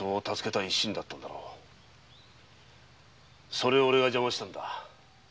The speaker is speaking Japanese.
それをオレが邪魔したんだ。